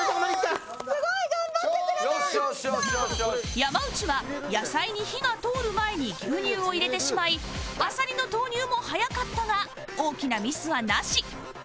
山内は野菜に火が通る前に牛乳を入れてしまいあさりの投入も早かったが大きなミスはなし